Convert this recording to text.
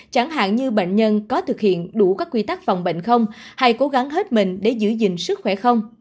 chẳng hạn như bệnh nhân có thực hiện đủ các quy tắc phòng bệnh không hay cố gắng hết mình để giữ gìn sức khỏe không